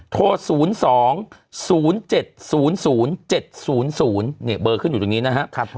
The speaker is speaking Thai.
โทร๐๒๐๗๐๐๗๐๐นี่เบอร์ขึ้นอยู่ตรงนี้นะครับ